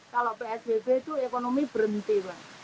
terus terang berhenti